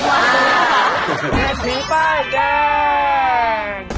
เศรษฐีป้ายแดง